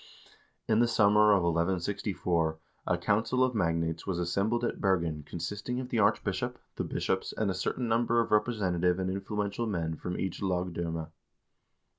In the summer of 1164 a council of magnates was assembled at Bergen consisting of the arch bishop, the bishops, and a certain number of representative and influential men from each lagdfimme.